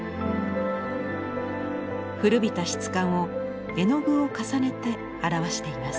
古びた質感を絵の具を重ねて表しています。